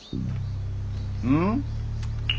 うん？